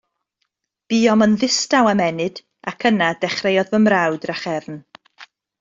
Buom yn ddistaw am ennyd, ac yna dechreuodd fy mrawd drachefn.